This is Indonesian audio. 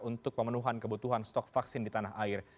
untuk pemenuhan kebutuhan stok vaksin di tanah air